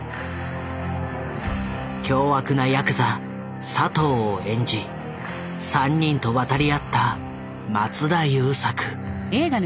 凶悪なやくざ佐藤を演じ３人と渡り合った松田優作。